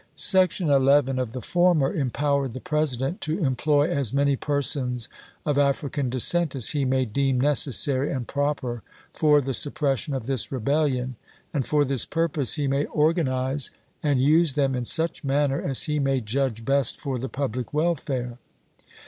Section 11 of the former empowered the President "to employ as many persons of African descent as he may deem necessary and proper for the suppression of this rebellion, and for this purpose he may organize 442 ABRAHAM LINCOLN Chap. XX. and use them in such manner as he may judge best for the public welfare."